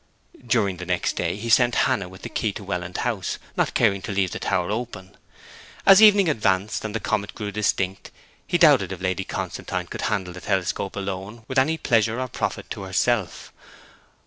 During the next day he sent Hannah with the key to Welland House, not caring to leave the tower open. As evening advanced and the comet grew distinct, he doubted if Lady Constantine could handle the telescope alone with any pleasure or profit to herself.